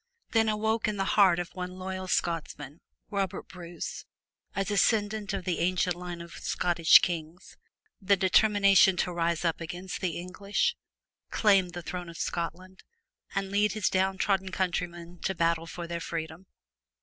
Then awoke in the heart of one loyal Scotsman, Robert Bruce, a descendant of the ancient line of Scottish kings, the determination to rise up against the English, claim the throne of Scotland, and lead his down trodden countrymen to battle for their freedom.